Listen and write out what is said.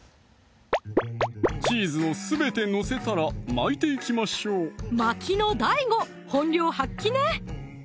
チーズをすべて載せたら巻いていきましょう巻きのＤＡＩＧＯ本領発揮ね！